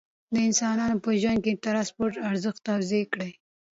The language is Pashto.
د انسانانو په ژوند کې د ترانسپورت ارزښت توضیح کړئ.